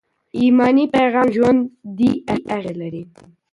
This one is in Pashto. ایماني پیغام ژوندي اغېز لري.